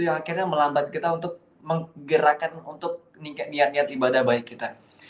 yang akhirnya melambat kita untuk menggerakkan untuk niat niat ibadah baik kita